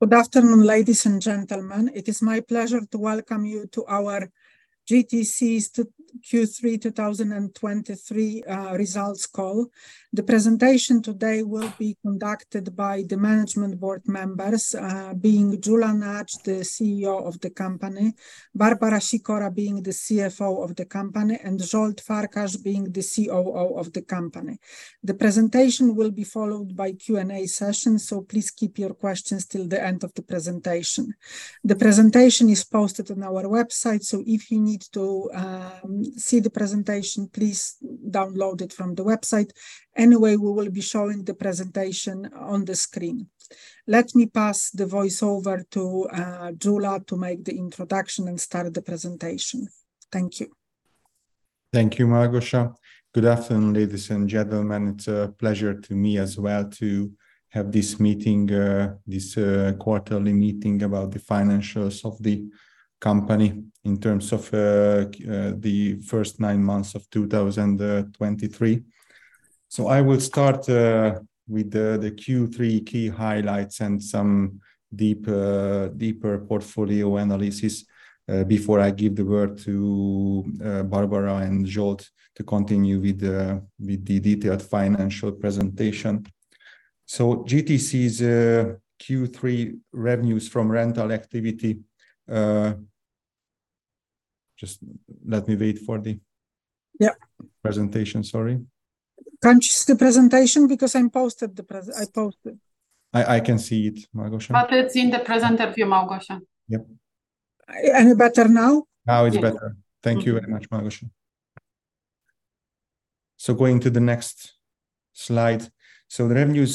Good afternoon, ladies and gentlemen. It is my pleasure to welcome you to our GTC's Q3 2023 results call. The presentation today will be conducted by the management board members, being Gyula Nagy, the CEO of the company, Barbara Sikora, being the CFO of the company, and Zsolt Farkas, being the COO of the company. The presentation will be followed by Q&A session, so please keep your questions till the end of the presentation. The presentation is posted on our website, so if you need to see the presentation, please download it from the website. Anyway, we will be showing the presentation on the screen. Let me pass the voice over to Gyula to make the introduction and start the presentation. Thank you. Thank you, Malgosia. Good afternoon, ladies and gentlemen. It's a pleasure to me as well to have this meeting, this quarterly meeting about the financials of the company in terms of, the first nine months of 2023. I will start with the Q3 key highlights and some deeper portfolio analysis before I give the word to Barbara and Zsolt to continue with the detailed financial presentation. GTC's Q3 revenues from rental activity... Just let me wait for the- Yeah - presentation. Sorry. Can't you see the presentation? Because I posted. I can see it, Małgosia. But it's in the presenter view, Małgosia. Yep. Any better now? Now it's better. Yeah. Thank you very much, Małgosia. So going to the next slide. So the revenues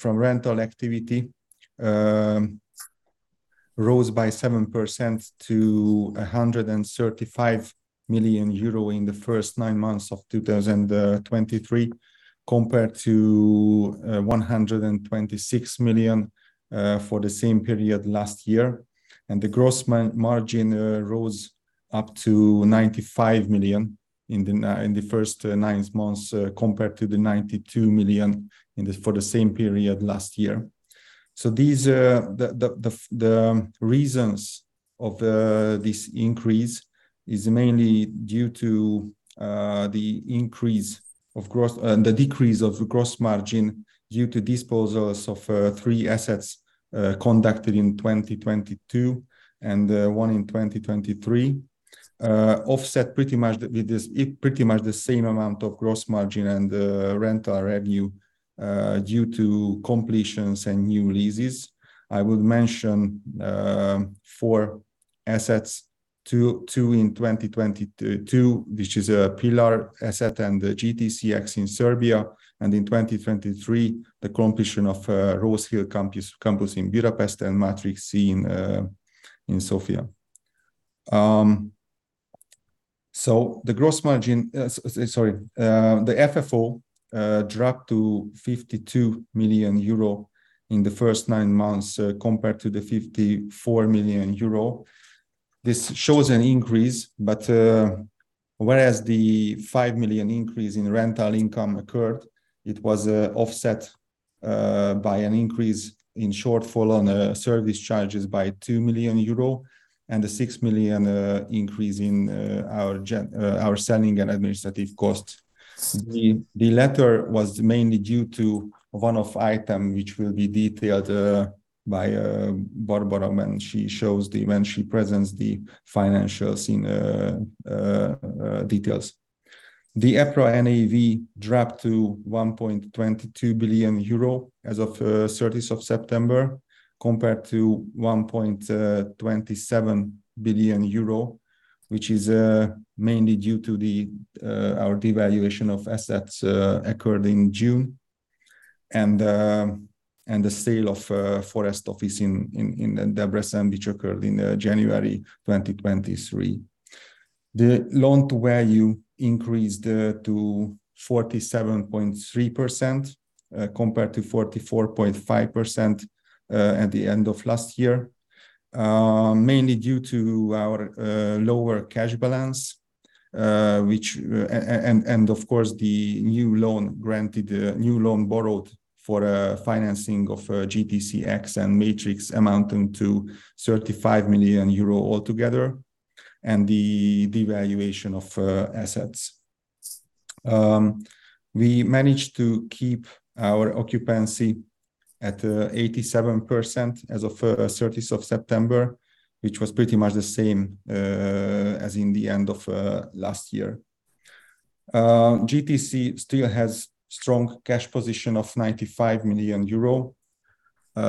from rental activity rose by 7% to 135 million euro in the first nine months of 2023, compared to 126 million for the same period last year. And the gross margin rose up to 95 million in the first nine months, compared to the 92 million for the same period last year. So these are the reasons of this increase is mainly due to the increase of gross... The decrease of gross margin due to disposals of three assets conducted in 2022 and one in 2023 offset pretty much with this, pretty much the same amount of gross margin and rental revenue due to completions and new leases. I would mention four assets, two in 2022, which is a Pillar asset and the GTC X in Serbia, and in 2023, the completion of Rose Hill Campus in Budapest and Matrix in Zagreb. So the FFO dropped to 52 million euro in the first nine months compared to the 54 million euro. This shows an increase, but whereas the 5 million increase in rental income occurred, it was offset by an increase in shortfall on service charges by 2 million euro and a 6 million increase in our selling and administrative costs. The latter was mainly due to one-off item, which will be detailed by Barbara when she presents the financials in details. The EPRA NAV dropped to 1.22 billion euro as of thirtieth of September, compared to 1.27 billion euro, which is mainly due to our devaluation of assets occurred in June and the sale of Forest Office in Debrecen, which occurred in January 2023. The loan-to-value increased to 47.3%, compared to 44.5%, at the end of last year, mainly due to our lower cash balance and, of course, the new loan granted, the new loan borrowed for financing of GTCX and Matrix, amounting to 35 million euro altogether, and the devaluation of assets. We managed to keep our occupancy at 87% as of 30th of September, which was pretty much the same as in the end of last year. GTC still has strong cash position of 95 million euro.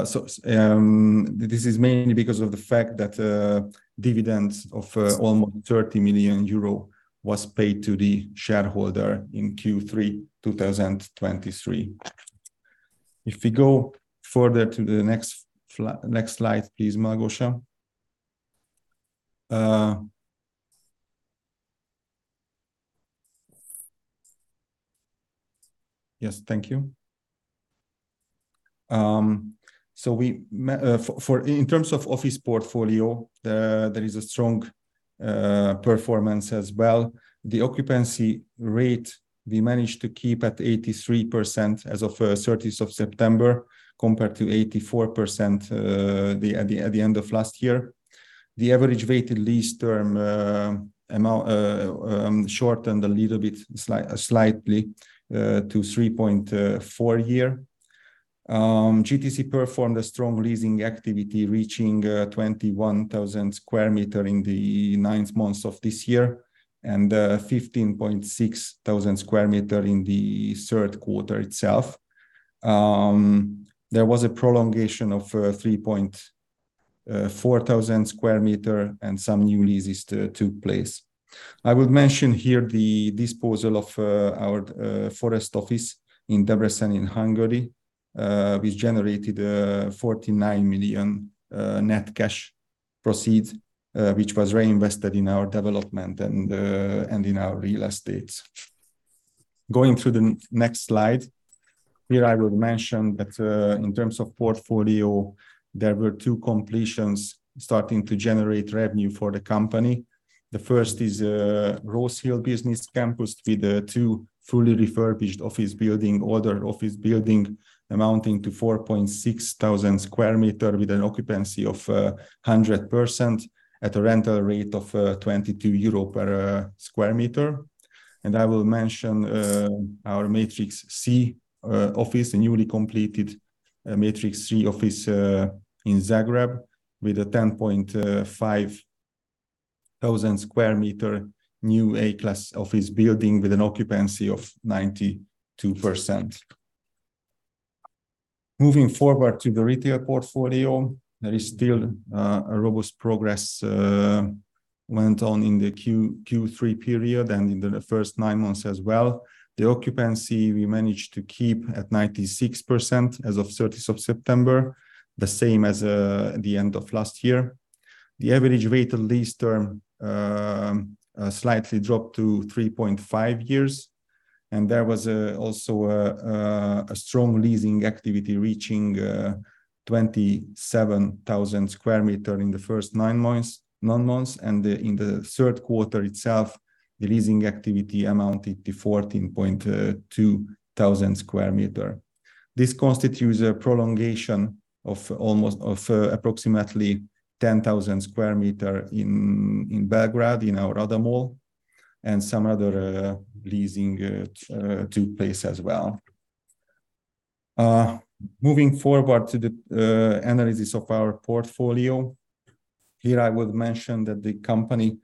So, this is mainly because of the fact that dividends of almost 30 million euro was paid to the shareholder in Q3 2023. If we go further to the next slide, please, Małgosia. Yes, thank you. So, in terms of office portfolio, there is a strong performance as well. The occupancy rate, we managed to keep at 83% as 30th of September, compared to 84% at the end of last year. The average weighted lease term amount shortened a little bit slightly to 3.4 year. GTC performed a strong leasing activity, reaching 21,000 sq m in the nine months of this year, and 15,600 sq m in the third quarter itself. There was a prolongation of 3,400 sq m, and some new leases took place. I would mention here the disposal of our Forest Office in Debrecen in Hungary, which generated 49 million net cash proceeds, which was reinvested in our development and in our real estate. Going through the next slide, here I would mention that in terms of portfolio, there were two completions starting to generate revenue for the company. The first is Rose Hill Business Campus, with two fully refurbished office buildings amounting to 4,600 sq m, with an occupancy of 100% at a rental rate of 22 euro per sq m. I will mention our Matrix C office, a newly completed Matrix C office in Zagreb, with a 10,500 sq m new A-class office building with an occupancy of 92%. Moving forward to the retail portfolio, there is still a robust progress went on in the Q3 period and in the first nine months as well. The occupancy we managed to keep at 96% as of 30th of September, the same as the end of last year. The average weighted lease term slightly dropped to 3.5 years, and there was also a strong leasing activity, reaching 27,000 sq m in the first nine months, and in the third quarter itself, the leasing activity amounted to 14,200 sq m. This constitutes a prolongation of almost approximately 10,000 sq m in Belgrade, in our other mall, and some other leasing took place as well. Moving forward to the analysis of our portfolio, here I would mention that the company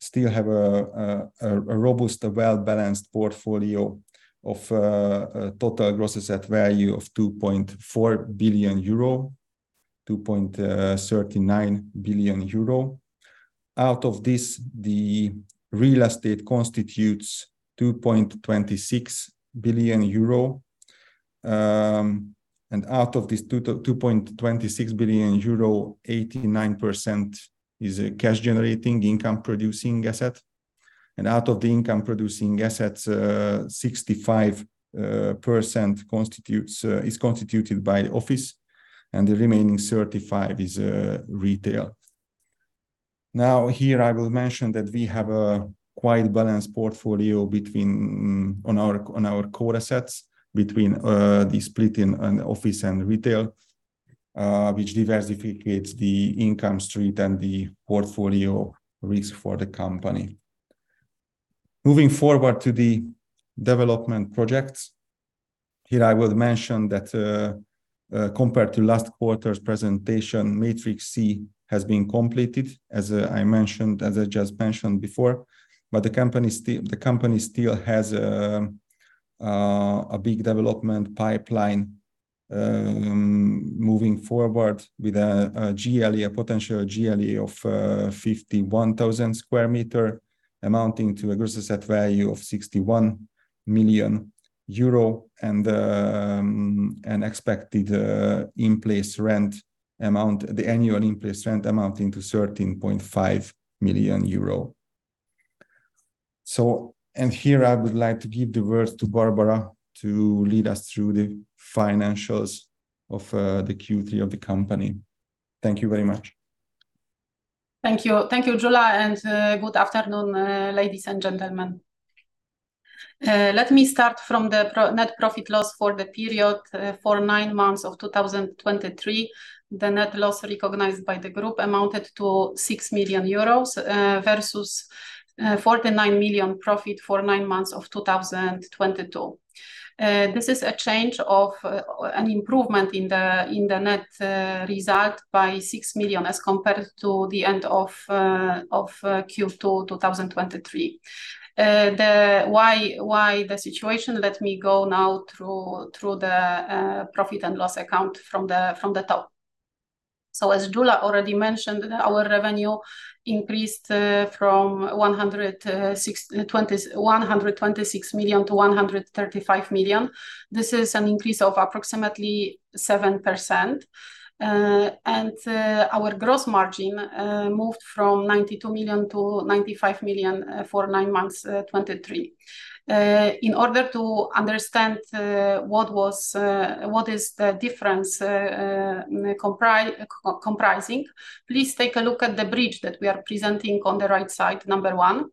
still have a robust, well-balanced portfolio of a total gross asset value of 2.4 billion euro, 2.39 billion euro. Out of this, the real estate constitutes 2.26 billion euro. And out of this 2.26 billion euro, 89% is a cash-generating, income-producing asset. And out of the income-producing assets, 65% constitutes is constituted by office, and the remaining 35% is retail. Now, here I will mention that we have a quite balanced portfolio between our core assets, between the split in office and retail, which diversifies the income stream and the portfolio risk for the company. Moving forward to the development projects, here I will mention that, compared to last quarter's presentation, Matrix C has been completed, as I mentioned, as I just mentioned before, but the company still has a big development pipeline, moving forward with a GLA, a potential GLA of 51,000 sq m, amounting to a gross asset value of 61 million euro and an expected in-place rent amount, the annual in-place rent amounting to 13.5 million euro. So... Here, I would like to give the word to Barbara to lead us through the financials of the Q3 of the company. Thank you very much. Thank you. Thank you, Gyula, and good afternoon, ladies and gentlemen. Let me start from the net profit loss for the period for nine months of 2023. The net loss recognized by the group amounted to 6 million euros versus 49 million profit for nine months of 2022. This is a change of an improvement in the net result by 6 million, as compared to the end of Q2 2023. Why the situation? Let me go now through the profit and loss account from the top. So as Gyula already mentioned, our revenue increased from 126 million-135 million. This is an increase of approximately 7%. And our gross margin moved from 92 million-95 million for nine months 2023. In order to understand what is the difference comprising, please take a look at the bridge that we are presenting on the right side, number one.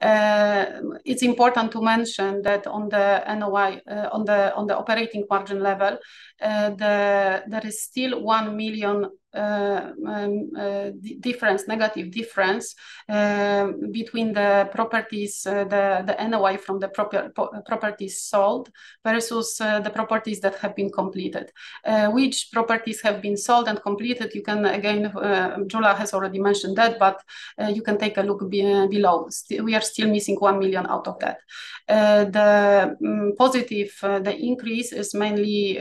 It's important to mention that on the NOI, on the operating margin level, there is still 1 million negative difference between the properties, the NOI from the properties sold versus the properties that have been completed. Which properties have been sold and completed, you can again Gyula has already mentioned that, but you can take a look below. We are still missing 1 million out of that. The positive increase is mainly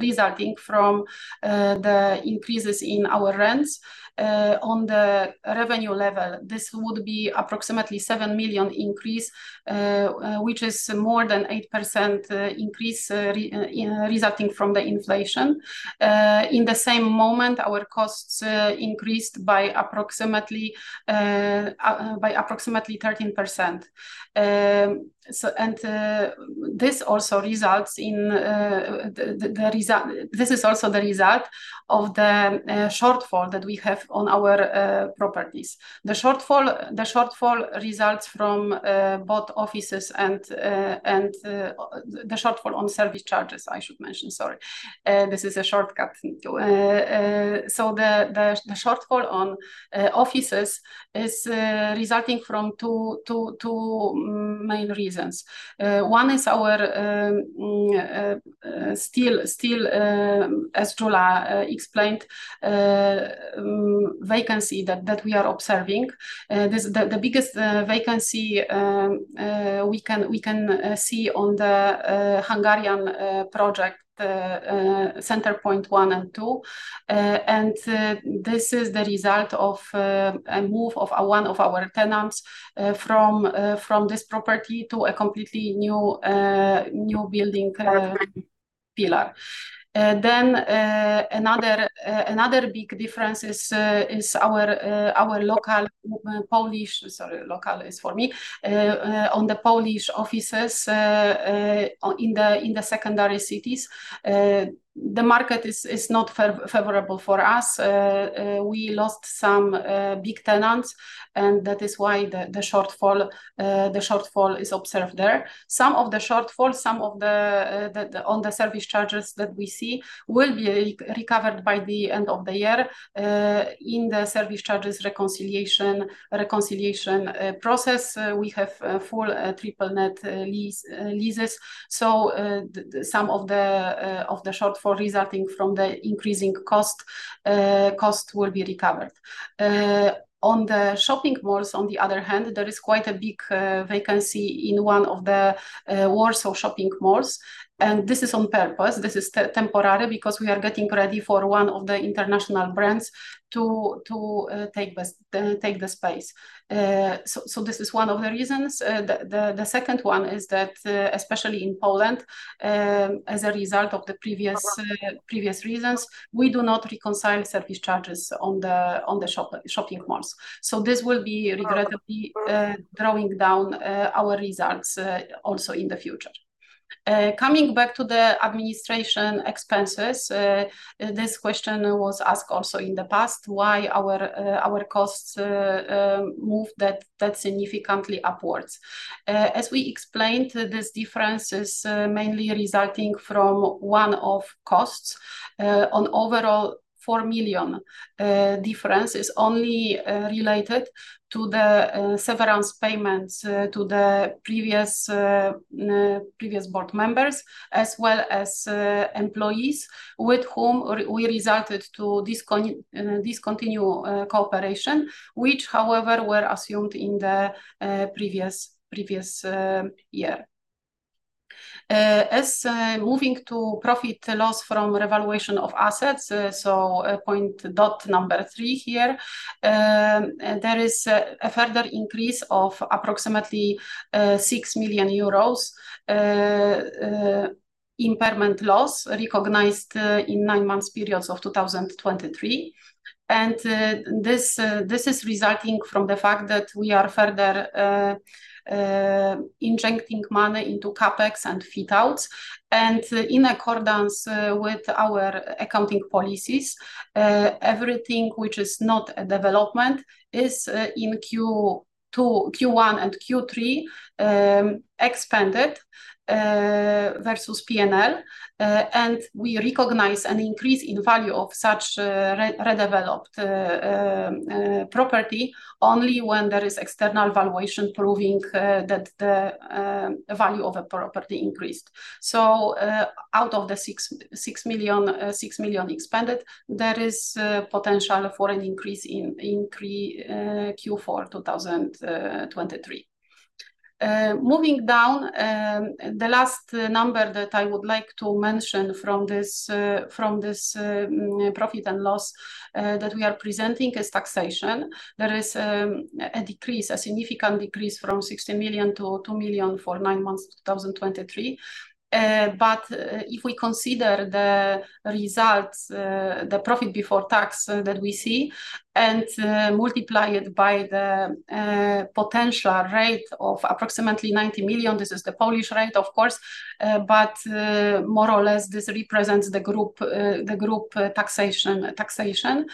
resulting from the increases in our rents. On the revenue level, this would be approximately 7 million increase, which is more than 8% increase resulting from the inflation. In the same moment, our costs increased by approximately 13%. So and this also results in the result. This is also the result of the shortfall that we have on our properties. The shortfall results from both offices and the shortfall on service charges, I should mention. Sorry. This is a shortcut to... So the shortfall on offices is resulting from two main reasons. One is our still, as Gyula explained, vacancy that we are observing. This, the biggest vacancy we can see on the Hungarian project, Center Point One and Two. And this is the result of a move of one of our tenants from this property to a completely new building, Pillar. Then, another big difference is our local Polish... Sorry, local is for me. On the Polish offices in the secondary cities, the market is not favorable for us. We lost some big tenants, and that is why the shortfall is observed there. Some of the shortfall on the service charges that we see will be recovered by the end of the year in the service charges reconciliation process. We have full triple net leases, so some of the shortfall resulting from the increasing cost will be recovered. On the shopping malls, on the other hand, there is quite a big vacancy in one of the Warsaw shopping malls, and this is on purpose. This is temporary because we are getting ready for one of the international brands to take the space. So this is one of the reasons. The second one is that, especially in Poland, as a result of the previous reasons, we do not reconcile service charges on the shopping malls. So this will be regrettably drawing down our results also in the future. Coming back to the administration expenses, this question was asked also in the past: Why our costs moved that significantly upwards? As we explained, this difference is mainly resulting from one-off costs. Overall, 4 million difference is only related to the severance payments to the previous board members, as well as employees with whom we resorted to discontinue cooperation, which, however, were assumed in the previous year. Moving to profit loss from revaluation of assets, so point number three here, there is a further increase of approximately 6 million euros impairment loss recognized in nine-month periods of 2023. And this is resulting from the fact that we are further injecting money into CapEx and fit-outs. And in accordance with our accounting policies, everything which is not a development is in Q2, Q1 and Q3 expanded versus P&L. We recognize an increase in value of such redeveloped property only when there is external valuation proving that the value of a property increased. So, out of the 6 million expanded, there is potential for an increase in Q4 2023. Moving down, the last number that I would like to mention from this profit and loss that we are presenting is taxation. There is a significant decrease from 60 million-2 million for nine months 2023. But, if we consider the results, the profit before tax that we see and multiply it by the potential rate of approximately 90 million, this is the Polish rate, of course, but more or less, this represents the group taxation.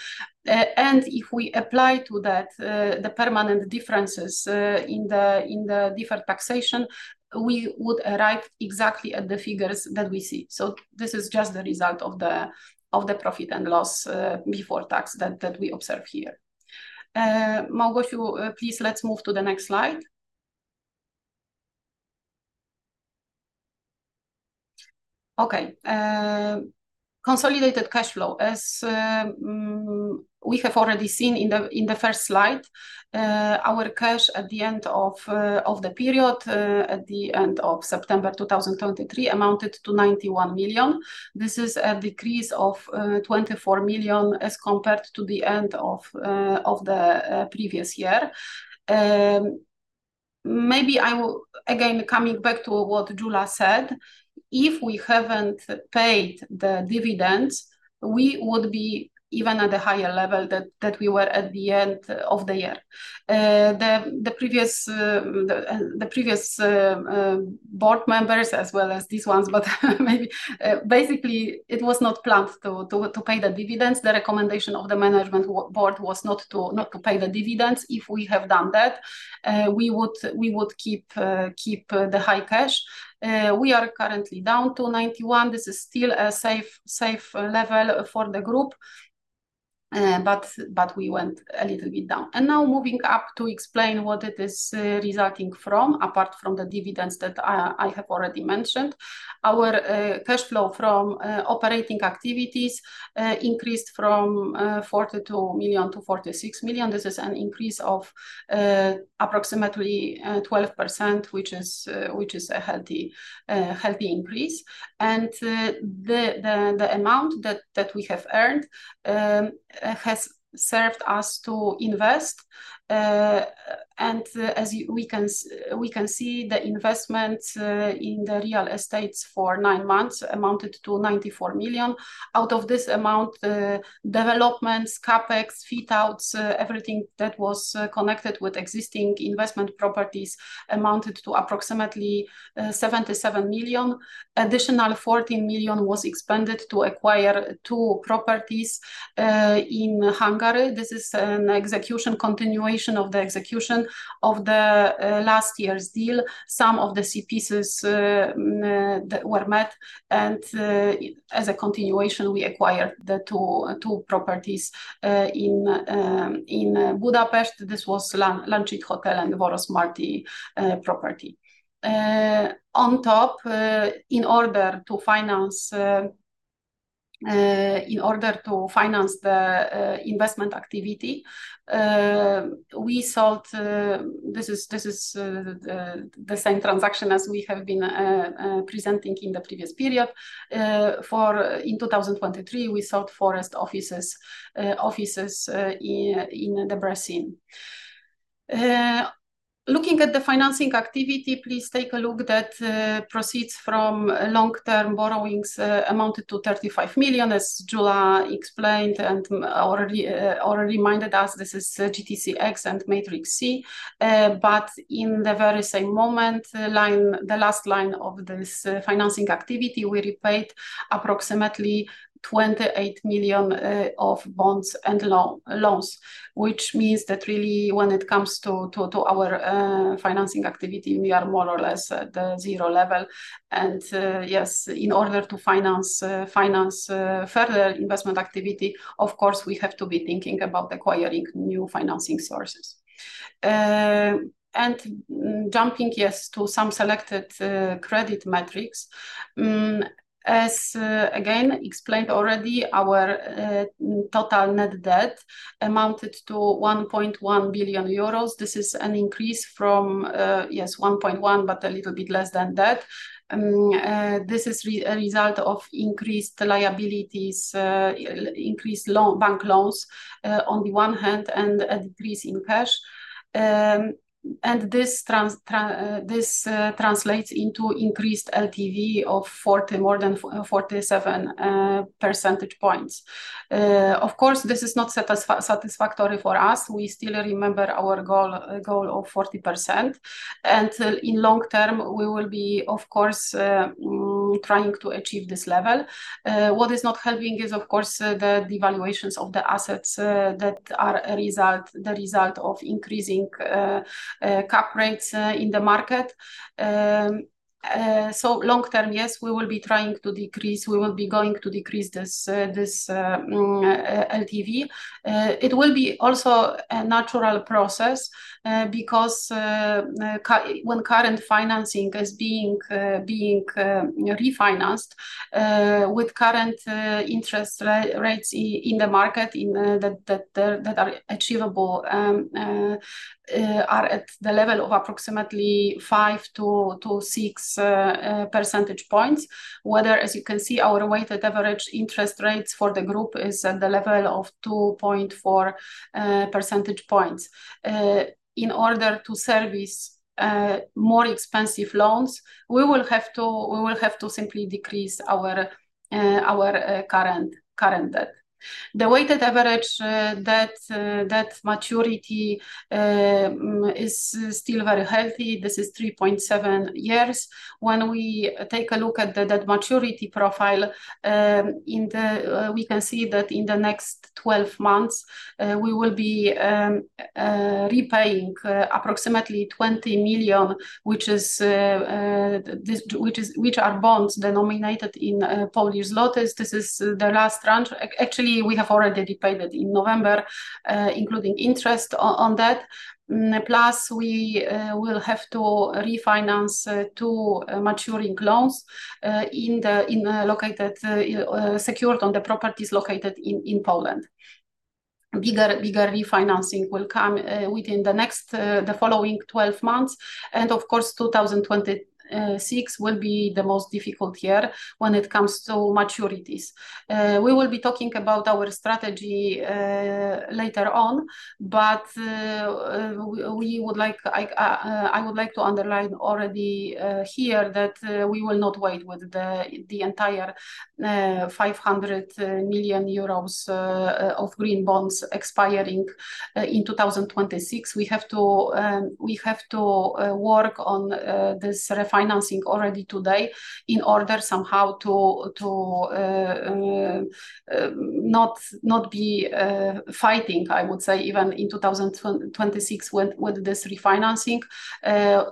And if we apply to that the permanent differences in the different taxation, we would arrive exactly at the figures that we see. So this is just the result of the profit and loss before tax that we observe here. Małgosia, please, let's move to the next slide. Okay, consolidated cash flow. As we have already seen in the first slide, our cash at the end of the period, at the end of September 2023, amounted to 91 million. This is a decrease of 24 million as compared to the end of the previous year. Maybe I will... Again, coming back to what Gyula said, if we haven't paid the dividends, we would be even at a higher level that we were at the end of the year. The previous board members, as well as these ones, but maybe basically, it was not planned to pay the dividends. The recommendation of the management board was not to pay the dividends. If we have done that, we would keep the high cash. We are currently down to 91. This is still a safe level for the group, but we went a little bit down. Now moving up to explain what it is resulting from, apart from the dividends that I have already mentioned. Our cash flow from operating activities increased from 42 million-46 million. This is an increase of approximately 12%, which is a healthy increase. And the amount that we have earned has served us to invest. And as you can see, the investment in the real estates for nine months amounted to 94 million. Out of this amount, developments, CapEx, fit outs, everything that was connected with existing investment properties amounted to approximately 77 million. Additional 14 million was expended to acquire two properties in Hungary. This is an execution, continuation of the execution of the last year's deal. Some of the C pieces that were met, and as a continuation, we acquired the two properties in Budapest. This was Lánchíd Hotel and Vörösmarty property. On top, in order to finance the investment activity, we sold. This is the same transaction as we have been presenting in the previous period. In 2023, we sold Forest Offices in Debrecen. Looking at the financing activity, please take a look that, proceeds from long-term borrowings amounted to 35 million, as Gyula explained and already reminded us, this is GTC X and Matrix C. But in the very same moment, line, the last line of this financing activity, we repaid approximately 28 million of bonds and loans. Which means that really, when it comes to our financing activity, we are more or less at the zero level. And, yes, in order to finance further investment activity, of course, we have to be thinking about acquiring new financing sources. And jumping, yes, to some selected credit metrics. As again explained already, our total net debt amounted to 1.1 billion euros. This is an increase from, yes, 1.1, but a little bit less than that. This is a result of increased liabilities, increased bank loans, on the one hand, and a decrease in cash. And this translates into increased LTV of 40, more than 47, percentage points. Of course, this is not satisfactory for us. We still remember our goal of 40%, and, in long term, we will be, of course, trying to achieve this level. What is not helping is, of course, the devaluations of the assets, that are a result of increasing cap rates in the market. So long term, yes, we will be trying to decrease, we will be going to decrease this LTV. It will be also a natural process, because when current financing is being refinanced with current interest rates in the market that are achievable, are at the level of approximately 5-6 percentage points. Whereas, as you can see, our weighted average interest rates for the group is at the level of 2.4 percentage points. In order to service more expensive loans, we will have to simply decrease our current debt. The weighted average debt maturity is still very healthy. This is 3.7 years. When we take a look at the debt maturity profile, we can see that in the next 12 months, we will be repaying approximately 20 million, which are bonds denominated in Polish zlotys. This is the last tranche. Actually, we have already repaid it in November, including interest on that. Plus we will have to refinance two maturing loans secured on the properties located in Poland. Bigger refinancing will come within the following 12 months. And of course, 2026 will be the most difficult year when it comes to maturities. We will be talking about our strategy later on, but I would like to underline already here that we will not wait with the entire 500 million euros of green bonds expiring in 2026. We have to work on this refinancing already today in order somehow to not be fighting, I would say, even in 2026 with this refinancing.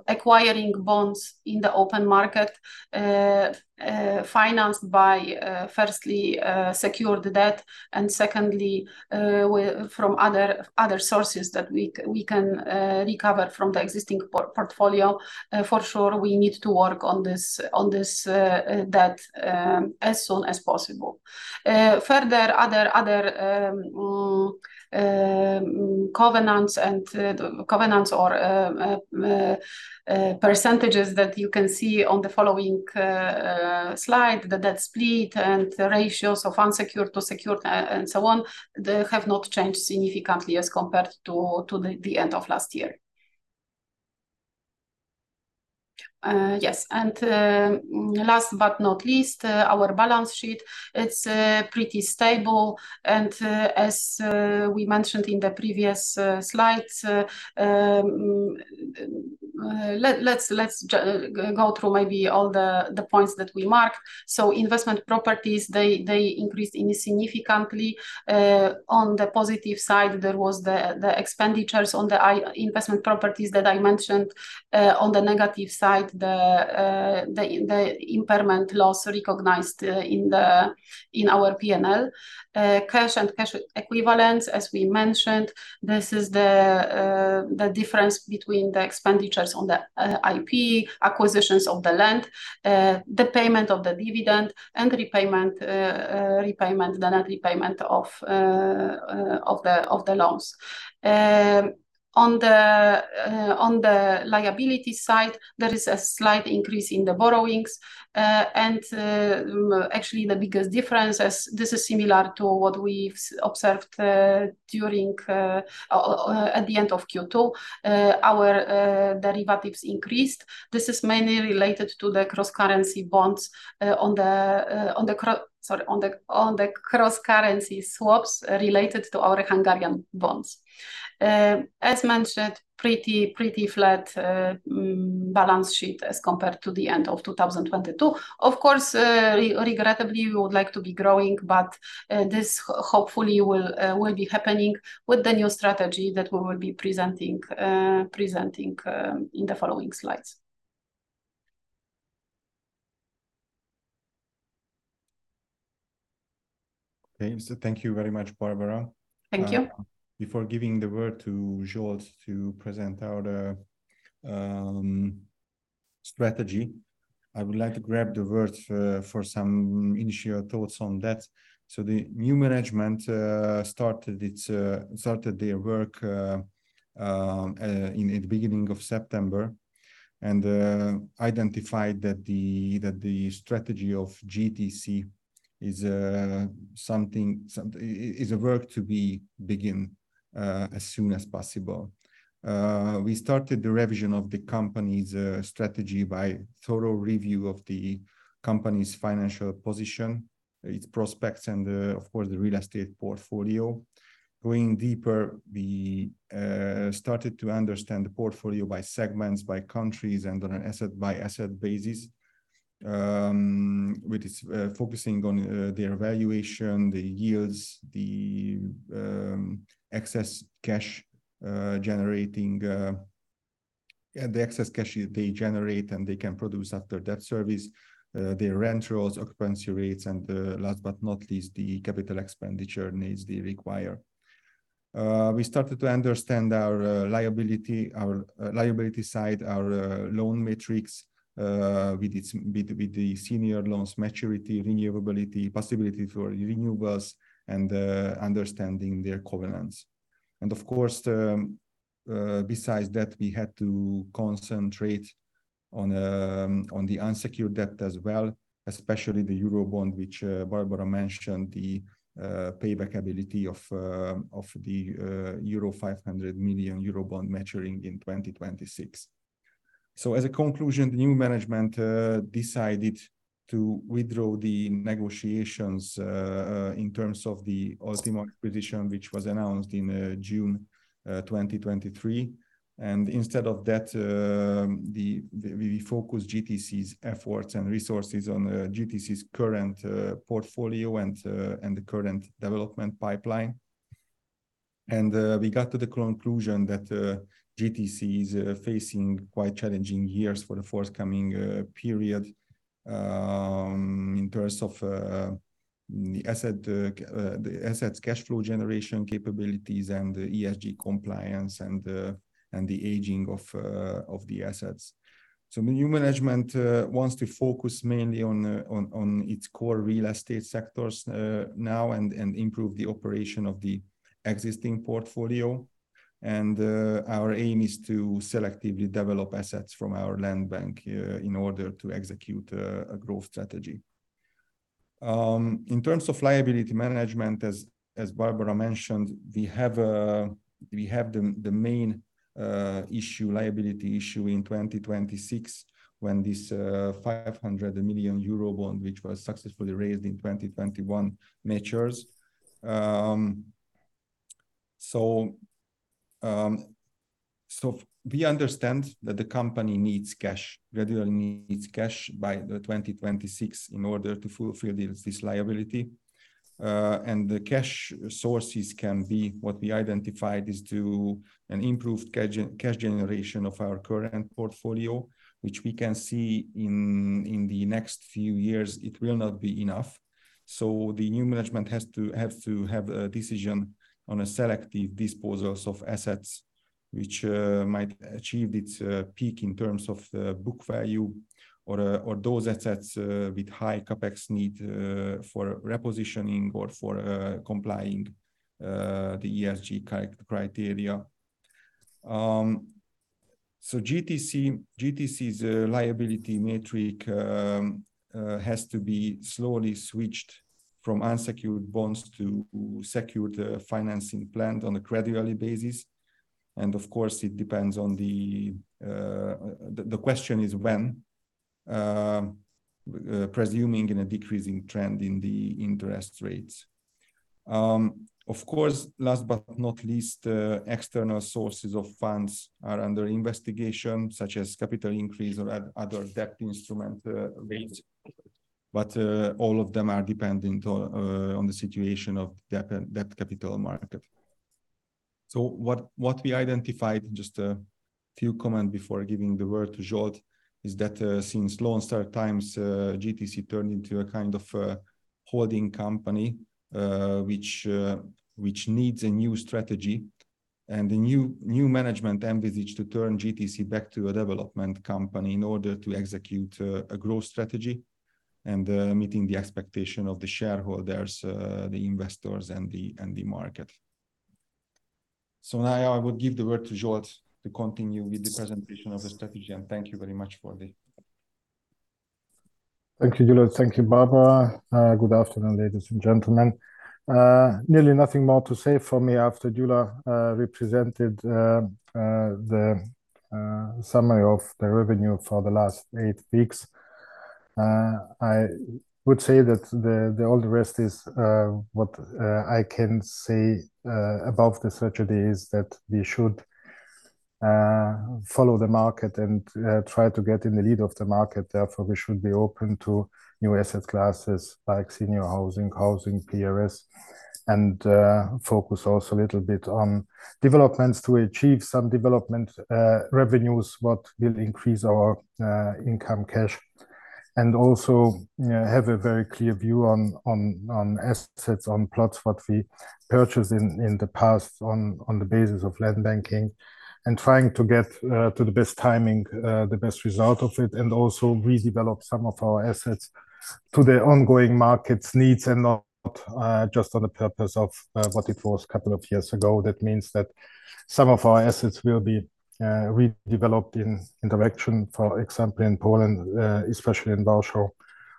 Acquiring bonds in the open market financed by, firstly, secured debt, and secondly, from other sources that we can recover from the existing portfolio. For sure, we need to work on this debt as soon as possible. Further, other covenants or percentages that you can see on the following slide, the debt split and the ratios of unsecured to secured and so on, they have not changed significantly as compared to the end of last year. Yes, and last but not least, our balance sheet. It's pretty stable, and as we mentioned in the previous slides, let's go through maybe all the points that we marked. So investment properties, they increased insignificantly. On the positive side, there was the expenditures on the investment properties that I mentioned. On the negative side, the impairment loss recognized in our P&L. Cash and cash equivalents, as we mentioned, this is the difference between the expenditures on the IP, acquisitions of the land, the payment of the dividend, and the net repayment of the loans. On the liability side, there is a slight increase in the borrowings. Actually, the biggest difference is this is similar to what we've observed during at the end of Q2, our derivatives increased. This is mainly related to the cross-currency bonds, sorry, on the cross-currency swaps related to our Hungarian bonds. As mentioned, pretty flat balance sheet as compared to the end of 2022. Of course, regrettably, we would like to be growing, but this hopefully will be happening with the new strategy that we will be presenting in the following slides. Okay. So thank you very much, Barbara. Thank you. Before giving the word to Zsolt to present our strategy, I would like to grab the word for some initial thoughts on that. So the new management started their work in the beginning of September, and identified that the strategy of GTC is something is a work to be begun as soon as possible. We started the revision of the company's strategy by thorough review of the company's financial position, its prospects, and of course, the real estate portfolio. Going deeper, we started to understand the portfolio by segments, by countries, and on an asset-by-asset basis. with its focusing on their valuation, the yields, the excess cash generating, and the excess cash they generate and they can produce after debt service, their rent rolls, occupancy rates, and, last but not least, the capital expenditure needs they require. We started to understand our liability, our liability side, our loan metrics, with its, with, with the senior loans maturity, renewability, possibility for renewals, and understanding their covenants. And of course, the besides that, we had to concentrate on on the unsecured debt as well, especially the Eurobond, which Barbara mentioned, the payback ability of of the euro 500 million Eurobond maturing in 2026. So as a conclusion, the new management decided to withdraw the negotiations in terms of the Ultima position, which was announced in June 2023. Instead of that, we focused GTC's efforts and resources on GTC's current portfolio and the current development pipeline. We got to the conclusion that GTC is facing quite challenging years for the forthcoming period in terms of the assets' cash flow generation capabilities and the ESG compliance and the aging of the assets. So the new management wants to focus mainly on its core real estate sectors now and improve the operation of the existing portfolio. Our aim is to selectively develop assets from our land bank in order to execute a growth strategy. In terms of liability management, as Barbara mentioned, we have the main issue, liability issue in 2026, when this 500 million Eurobond, which was successfully raised in 2021, matures. So we understand that the company needs cash, regularly needs cash by 2026 in order to fulfill this liability. And the cash sources can be what we identified is to an improved cash generation of our current portfolio, which we can see in the next few years, it will not be enough. So the new management has to have a decision on a selective disposals of assets, which might achieve its peak in terms of the book value, or those assets with high CapEx need for repositioning or for complying the ESG criteria. So GTC's liability metric has to be slowly switched from unsecured bonds to secured financing plan on a gradually basis. And of course, it depends on the question is when presuming in a decreasing trend in the interest rates. Of course, last but not least, external sources of funds are under investigation, such as capital increase or other debt instrument rates, but all of them are dependent on the situation of debt capital market. So what we identified, just a few comments before giving the word to Zsolt, is that since Lone Star times, GTC turned into a kind of a holding company, which needs a new strategy. The new management envisage to turn GTC back to a development company in order to execute a growth strategy and meeting the expectation of the shareholders, the investors, and the market. So now I will give the word to Zsolt to continue with the presentation of the strategy, and thank you very much for the- Thank you, Gyula. Thank you, Barbara. Good afternoon, ladies and gentlemen. Nearly nothing more to say for me after Gyula represented the summary of the revenue for the last eight weeks. I would say that all the rest is what I can say about the strategy is that we should follow the market and try to get in the lead of the market. Therefore, we should be open to new asset classes like senior housing, housing, PRS, and focus also a little bit on developments to achieve some development revenues what will increase our income cash, and also have a very clear view on assets, on plots, what we purchased in the past, on the basis of land banking, and trying to get to the best timing the best result of it, and also redevelop some of our assets to the ongoing market's needs and not just on the purpose of what it was a couple of years ago. That means that some of our assets will be redeveloped in direction, for example, in Poland, especially in Warsaw,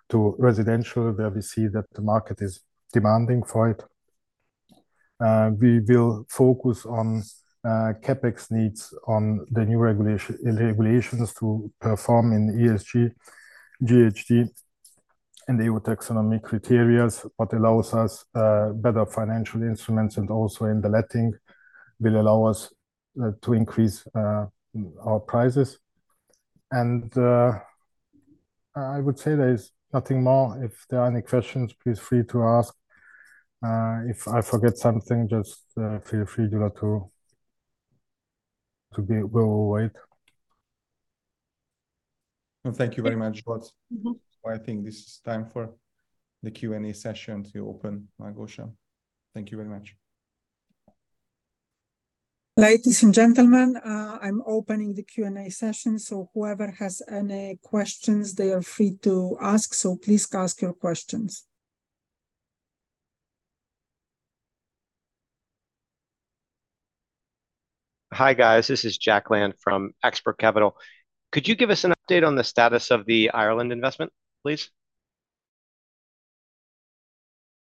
to residential, where we see that the market is demanding for it. We will focus on CapEx needs, on the new regulations to perform in ESG, GHG, and the EU taxonomy criteria, what allows us better financial instruments and also in the letting, will allow us to increase our prices. I would say there is nothing more. If there are any questions, please feel free to ask. If I forget something, just feel free, Gyula, we will wait. Well, thank you very much, but- Mm-hmm... I think this is time for the Q&A session to open, Małgosia. Thank you very much. Ladies and gentlemen, I'm opening the Q&A session, so whoever has any questions, they are free to ask. Please ask your questions. Hi, guys. This is Jack Land from Axebrook Capital. Could you give us an update on the status of the Ireland investment, please?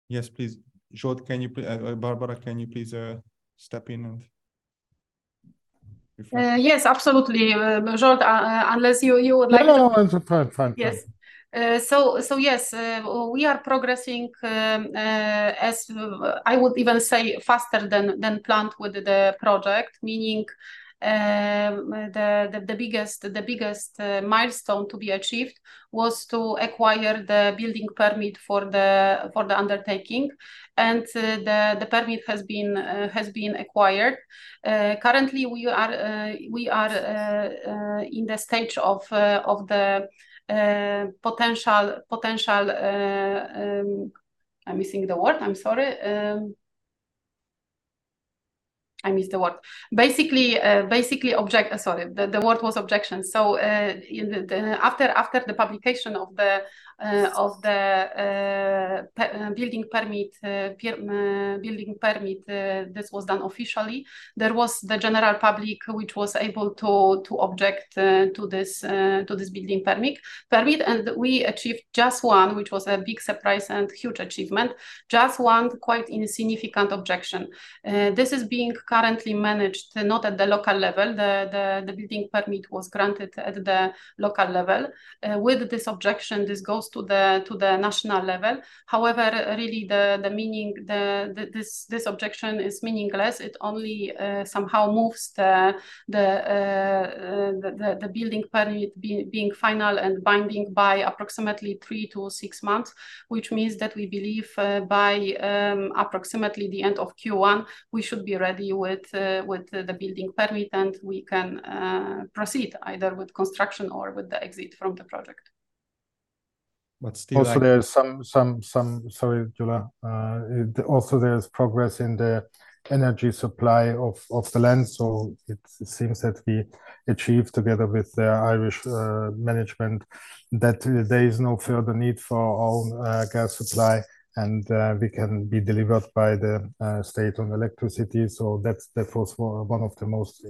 Yes, please. Zsolt, can you, Barbara, can you please step in and if- Yes, absolutely, Zsolt, unless you would like to- No, no, it's fine. Fine. Yes. So, yes, we are progressing as I would even say faster than planned with the project, meaning the biggest milestone to be achieved was to acquire the building permit for the undertaking. And, the permit has been acquired. Currently, we are in the stage of the potential... I'm missing the word, I'm sorry. I missed the word. Basically, object, sorry, the word was objection. So, after the publication of the building permit, this was done officially. There was the general public, which was able to object to this building permit, and we achieved just one, which was a big surprise and huge achievement. Just one quite insignificant objection. This is being currently managed, not at the local level. The building permit was granted at the local level. With this objection, this goes to the national level. However, really, the meaning, this objection is meaningless. It only somehow moves the building permit being final and binding by approximately three to six months, which means that we believe by approximately the end of Q1, we should be ready with the building permit, and we can proceed either with construction or with the exit from the project. But still- Sorry, Gyula. Also, there's progress in the energy supply of the land, so it seems that we achieved together with the Irish management that there is no further need for our own gas supply, and we can be delivered by the state on electricity. So that was one of the most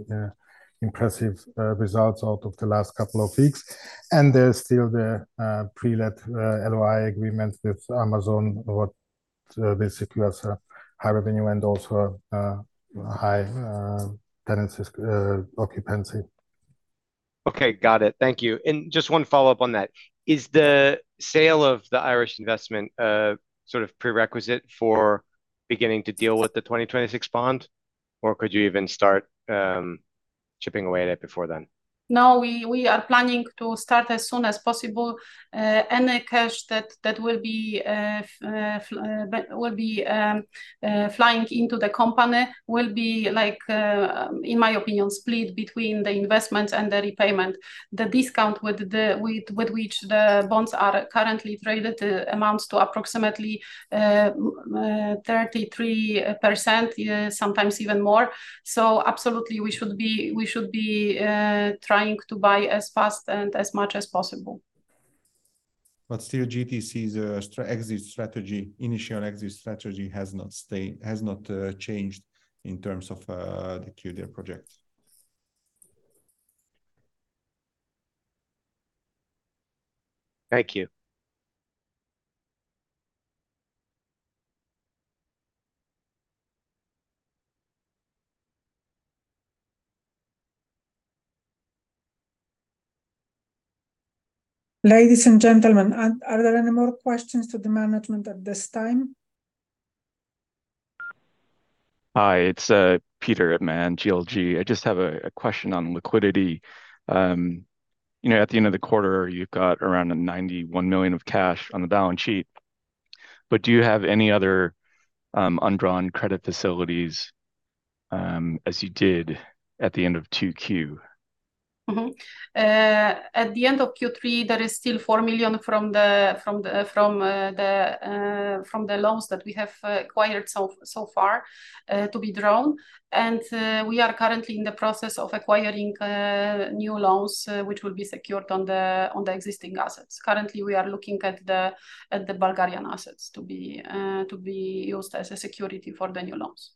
impressive results out of the last couple of weeks. And there's still the pre-let LOI agreement with Amazon, what this secures a high revenue and also high tenancy occupancy. Okay, got it. Thank you. Just one follow-up on that. Is the sale of the Irish investment a sort of prerequisite for beginning to deal with the 2026 bond, or could you even start chipping away at it before then? No, we are planning to start as soon as possible. Any cash that will be flying into the company will be like, in my opinion, split between the investments and the repayment. The discount with which the bonds are currently traded amounts to approximately 33%, sometimes even more. So absolutely, we should be trying to buy as fast and as much as possible. But still, GTC's exit strategy, initial exit strategy has not stayed, has not changed in terms of the Kildare project. Thank you. Ladies and gentlemen, are there any more questions to the management at this time? Hi, it's Peter at Man GLG. I just have a question on liquidity. You know, at the end of the quarter, you've got around 91 million of cash on the balance sheet, but do you have any other undrawn credit facilities, as you did at the end of 2Q? Mm-hmm. At the end of Q3, there is still 4 million from the loans that we have acquired so far to be drawn. We are currently in the process of acquiring new loans, which will be secured on the existing assets. Currently, we are looking at the Bulgarian assets to be used as a security for the new loans.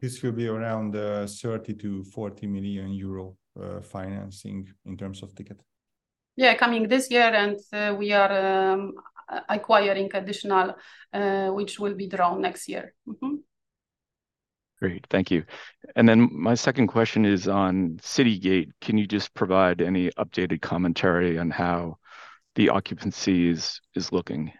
This will be around 30 million-40 million euro financing in terms of ticket. Yeah, coming this year, and we are acquiring additional, which will be drawn next year. Mm-hmm. Great, thank you. My second question is on City Gate. Can you just provide any updated commentary on how the occupancy is looking?...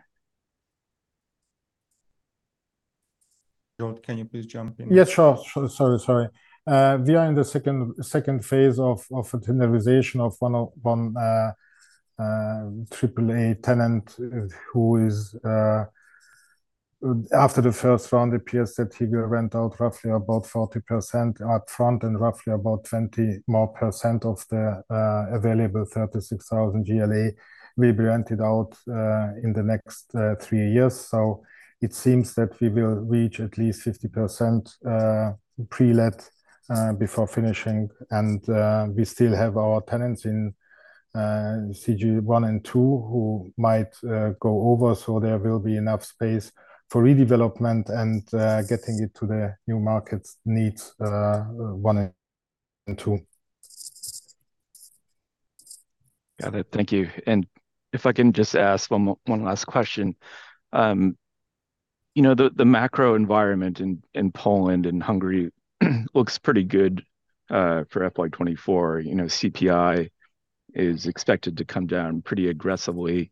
Zsolt, can you please jump in? Yeah, sure. Sure. Sorry, sorry. We are in the second phase of a tenderization of one triple A tenant, who is... After the first round, it appears that he will rent out roughly about 40% upfront, and roughly about 20% more of the available 36,000 GLA will be rented out in the next three years. So it seems that we will reach at least 50% pre-let before finishing. And we still have our tenants in Center Point One and Two who might go over, so there will be enough space for redevelopment and getting it to the new market's needs, One and Two. Got it. Thank you. And if I can just ask one last question. You know, the macro environment in Poland and Hungary looks pretty good for FY 2024. You know, CPI is expected to come down pretty aggressively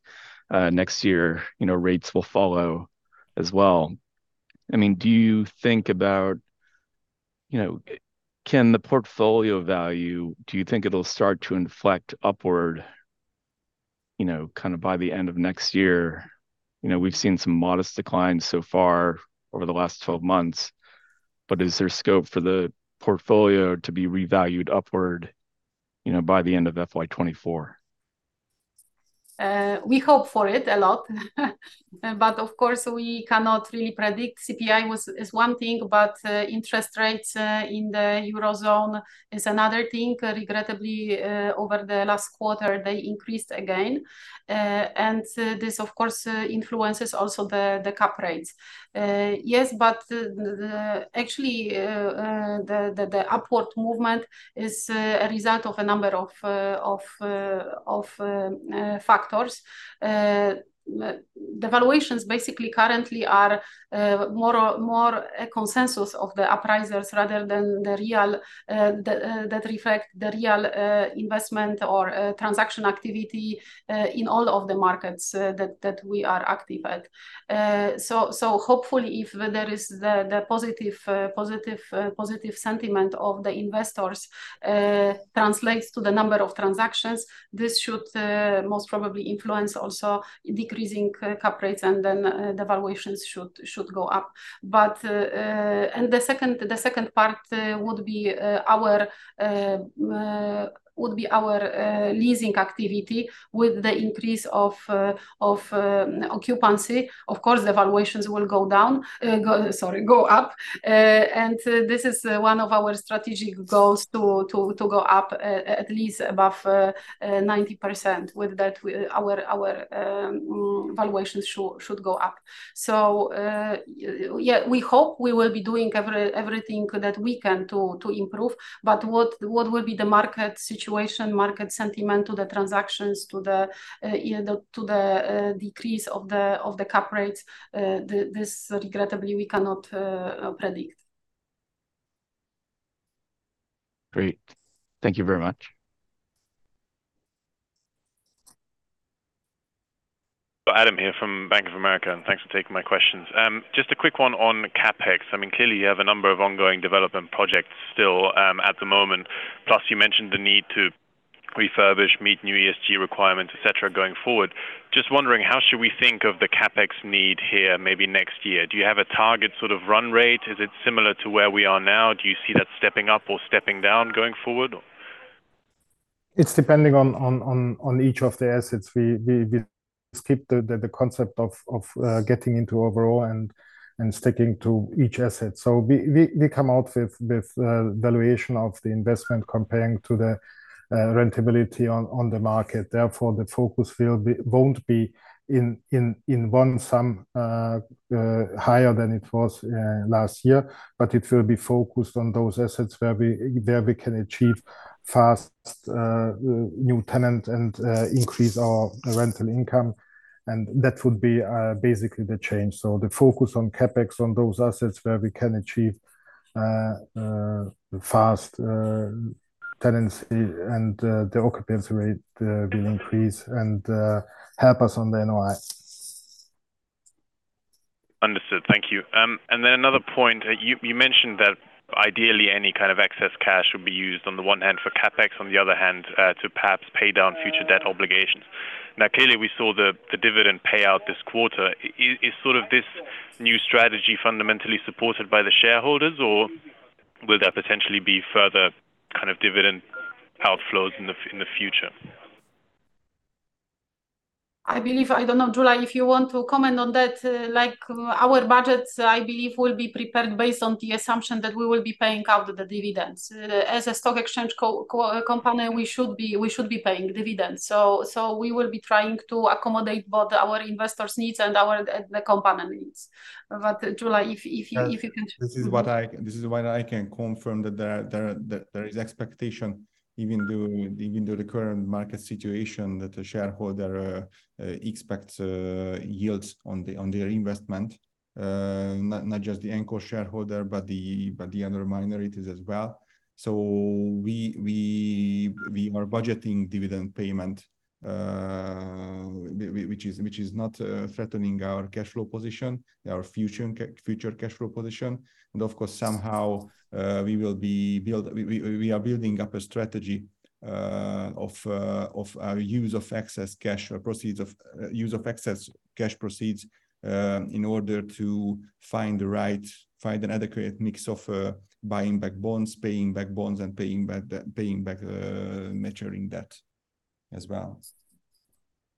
next year. You know, rates will follow as well. I mean, do you think about... You know, can the portfolio value, do you think it'll start to inflect upward, you know, kind of by the end of next year? You know, we've seen some modest declines so far over the last 12 months, but is there scope for the portfolio to be revalued upward, you know, by the end of FY 2024? We hope for it a lot. But of course, we cannot really predict. CPI was, is one thing, but interest rates in the Eurozone is another thing. Regrettably, over the last quarter, they increased again. And this, of course, influences also the cap rates. Yes, but actually the upward movement is a result of a number of factors. The valuations basically currently are more or more a consensus of the appraisers rather than the real that reflect the real investment or transaction activity in all of the markets that we are active at. So, hopefully, if there is the positive sentiment of the investors translates to the number of transactions, this should most probably influence also decreasing cap rates, and then the valuations should go up. But. And the second part would be our leasing activity with the increase of occupancy. Of course, the valuations will go down, go, sorry, go up. And this is one of our strategic goals to go up at least above 90%. With that, our valuation should go up. So, yeah, we hope we will be doing everything that we can to improve, but what will be the market situation, market sentiment to the transactions, you know, to the decrease of the cap rates, this, regrettably, we cannot predict. Great. Thank you very much. Adam here from Bank of America, and thanks for taking my questions. Just a quick one on CapEx. I mean, clearly, you have a number of ongoing development projects still, at the moment, plus, you mentioned the need to refurbish, meet new ESG requirements, et cetera, going forward. Just wondering, how should we think of the CapEx need here, maybe next year? Do you have a target sort of run rate? Is it similar to where we are now? Do you see that stepping up or stepping down going forward? It's depending on each of the assets. We keep the concept of getting into overall and sticking to each asset. So we come out with valuation of the investment comparing to the rentability on the market. Therefore, the focus will be... won't be in one sum higher than it was last year, but it will be focused on those assets where we can achieve fast new tenant and increase our rental income, and that would be basically the change. So the focus on CapEx, on those assets where we can achieve fast tenants, and the occupancy rate will increase and help us on the NOI. Understood. Thank you. And then another point. You, you mentioned that ideally, any kind of excess cash would be used, on the one hand for CapEx, on the other hand, to perhaps pay down future debt obligations. Now, clearly, we saw the, the dividend payout this quarter. Is sort of this new strategy fundamentally supported by the shareholders, or will there potentially be further kind of dividend outflows in the future? I believe, I don't know. Gyula, if you want to comment on that. Like, our budgets, I believe, will be prepared based on the assumption that we will be paying out the dividends. As a stock exchange company, we should be, we should be paying dividends. So we will be trying to accommodate both our investors' needs and our, the company needs. But Gyula, if you can- This is what I can confirm, that there is expectation, even though the current market situation, that the shareholder expects yields on their investment—not just the anchor shareholder, but the other minorities as well. So we are budgeting dividend payment, which is not threatening our cash flow position, our future cash flow position. And of course, somehow, we are building up a strategy of our use of excess cash or proceeds of use of excess cash proceeds, in order to find an adequate mix of buying back bonds, paying back bonds, and paying back maturing debt as well.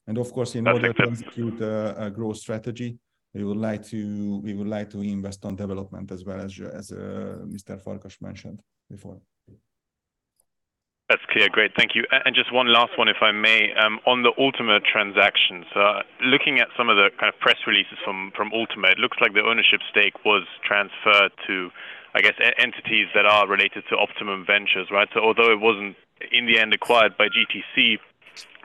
Of course, in order to execute a growth strategy, we would like to, we would like to invest on development as well as, as Mr. Farkas mentioned before. That's clear. Great, thank you. And just one last one, if I may. On the Ultima transaction, so looking at some of the kind of press releases from Ultima, it looks like the ownership stake was transferred to, I guess, entities that are related to Optimum Ventures, right? So although it wasn't in the end acquired by GTC,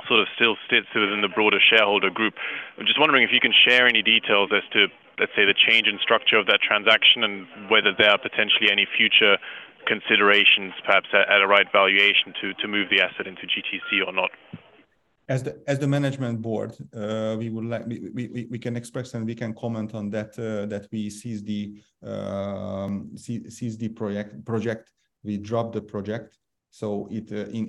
sort of still sits within the broader shareholder group. I'm just wondering if you can share any details as to, let's say, the change in structure of that transaction, and whether there are potentially any future considerations, perhaps at a right valuation, to move the asset into GTC or not? As the management board, we would like... We can express and we can comment on that, that we ceased the project. We dropped the project, so in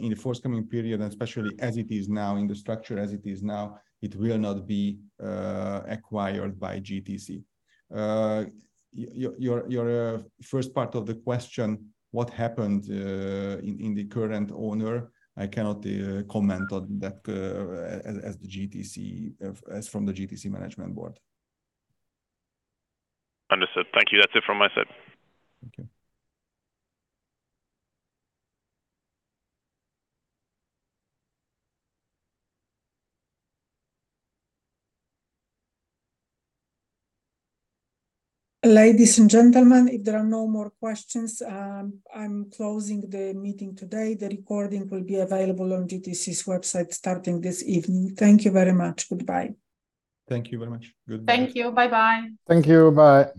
the forthcoming period, especially as it is now, in the structure as it is now, it will not be acquired by GTC. Your first part of the question, what happened in the current owner, I cannot comment on that, as from the GTC management board. Understood. Thank you. That's it from my side. Thank you. Ladies and gentlemen, if there are no more questions, I'm closing the meeting today. The recording will be available on GTC's website starting this evening. Thank you very much. Goodbye. Thank you very much. Goodbye. Thank you. Bye-bye. Thank you. Bye.